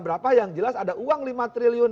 berapa yang jelas ada uang lima triliun